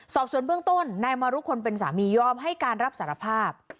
สอบส่วนเบื้องต้นนายมารุคนเป็นสามียอมให้การรับสารภาพ